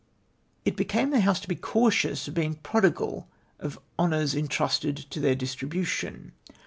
" It became the House to be cautious of being prodigal of honours entrusted to their distribution.